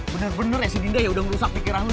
bener bener ya si dinda yang udah ngerusak pikiran lu ta